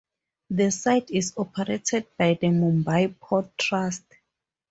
The site is operated by the Mumbai Port Trust.